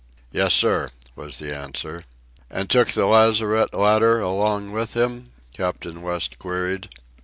"Yes, sir," was the answer. "And took the lazarette ladder along with him?" Captain West queried.